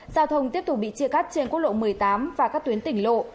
giao thông tiếp tục bị chia cắt trên quốc lộ một mươi tám và các tuyến tỉnh lộ